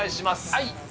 はい。